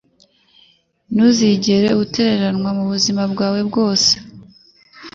Ntuzigera utereranwa, mu buzima bwawe bwose